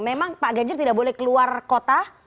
memang pak ganjar tidak boleh keluar kota